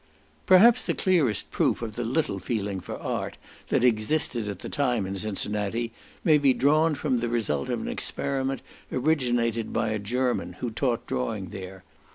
Perhaps the clearest proof of the little feeling for art that existed at that time in Cincinnati, may be drawn from the result of an experiment originated by a German, who taught drawing there.